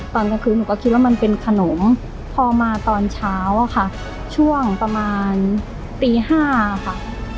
ตอนกลางคืนหนูก็คิดว่ามันเป็นขนมพอมาตอนเช้าอะค่ะช่วงประมาณตี๕ค่ะ